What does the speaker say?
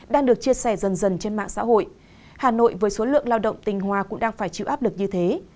đang được chia sẻ dần dần trên mạng xã hội hà nội với số lượng lao động tình hòa cũng đang phải chịu áp lực như thế